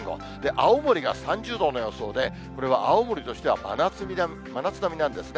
青森が３０度の予想で、これは青森としては真夏並みなんですね。